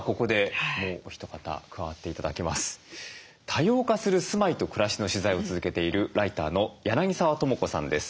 多様化する住まいと暮らしの取材を続けているライターの柳澤智子さんです。